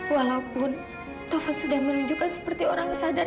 walaupun tova sudah menunjukkan seperti orang sadar